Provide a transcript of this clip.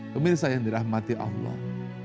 pemirsa yang dirahmati allah